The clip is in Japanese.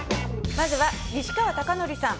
まずは西川貴教さん